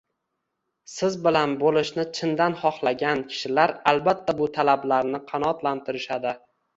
Siz bilan bo’lishni chindan xohlagan kishilar albatta bu talablarni qanoatlantirishadi